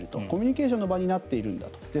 コミュニケーションの場になっていると。